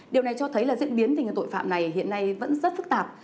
điều này cho thấy diễn biến tội phạm này hiện nay vẫn rất phức tạp